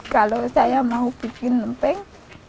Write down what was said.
kalau saya mau bikin emping